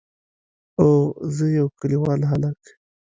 او زه يو کليوال هلک.